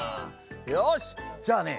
よしじゃあね